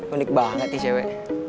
unik banget nih cewek